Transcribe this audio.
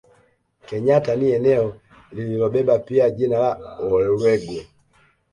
Kenyatta ni eneo lililobeba pia jina la Olwego